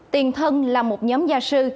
tiền thân là một nhóm gia sư